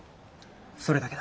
それだけだ。